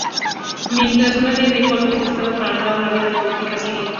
Mientras, una serie de golpes de estado paralizaron la vida política siria.